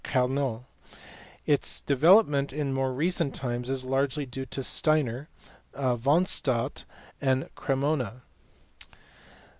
Carnot ; its de velopment in more recent times is largely due to Steiner, von Staudt, and Cremona (see below, p.